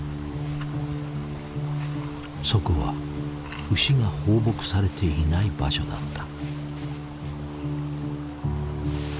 そこは牛が放牧されていない場所だった。